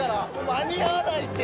間に合わないって。